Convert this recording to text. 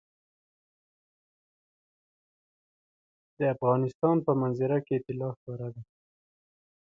د افغانستان په منظره کې طلا ښکاره ده.